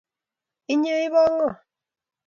Inye ibo ngo?